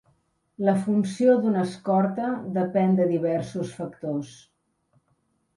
La funció d'un escorta depèn de diversos factors.